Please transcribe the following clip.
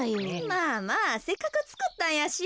まあまあせっかくつくったんやし。